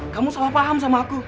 kamu salah paham sama aku